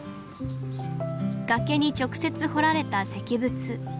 崖に直接彫られた石仏。